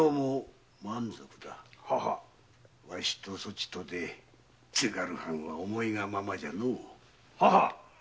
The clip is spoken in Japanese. わしとそちとで津軽藩は思いのままじゃのう。